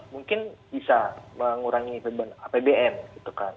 mungkin bisa mengurangi beban apbn gitu kan